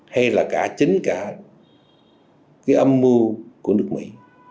hay là cả chính cả cái âm mưu của nước mỹ